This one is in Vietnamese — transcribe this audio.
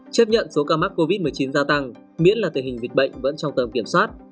chấp nhận số ca mắc covid một mươi chín gia tăng miễn là tình hình dịch bệnh vẫn trong tầm kiểm soát